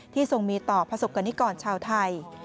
ทรงมีต่อประสบกรณิกรชาวไทย